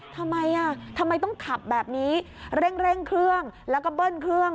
ทำไมอ่ะทำไมต้องขับแบบนี้เร่งเร่งเครื่องแล้วก็เบิ้ลเครื่อง